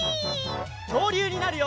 きょうりゅうになるよ！